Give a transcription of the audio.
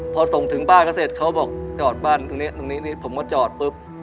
พอส่งถึงบ้านก็เสร็จเขาบอกจอดบ้านตรงนี้ตรงนี้ผมก็จอดปุ๊บ